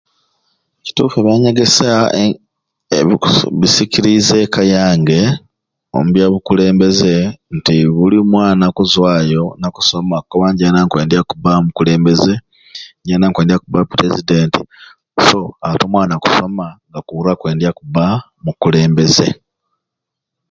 Kituufu ebyanyegesya e buku bisikiriize eka yange omubyabukulembeze nti buli mwana akuzwayo akusoma akukoba njeena nkwendya kubba mukulembeze njeena nkwendya kubba pulezidenti so ati omwana okusoma nga akuura akwendya kubba mukulembeze.